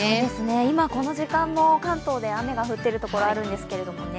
今この時間も関東で雨が降っているところあるんですけれども。